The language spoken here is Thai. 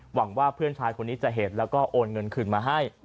หวังว่าเพื่อนชายคนนี้จะเห็นแล้วก็โอนเงินคืนมาให้